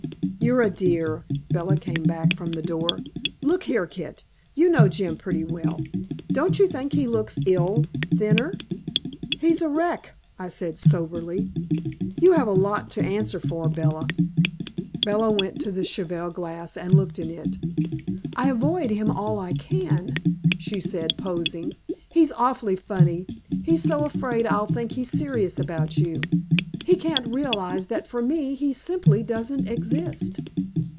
"You're a dear." Bella came back from the door. "Look here, Kit, you know Jim pretty well. Don't you think he looks ill? Thinner?" "He's a wreck," I said soberly. "You have a lot to answer for, Bella." Bella went over to the cheval glass and looked in it. "I avoid him all I can," she said, posing. "He's awfully funny; he's so afraid I'll think he's serious about you. He can't realize that for me he simply doesn't exist."